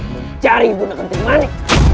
mencari ibu nekon timani